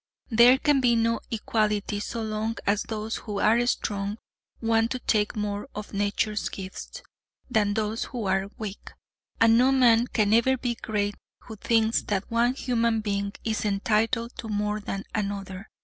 There can be no equality so long as those who are strong want to take more of nature's gifts than those who are weak, and no man can ever be great who thinks that one human being is entitled to more than another.